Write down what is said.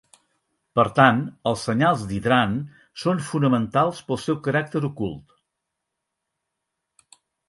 Per tant, els senyals d'hidrant són fonamentals pel seu caràcter ocult.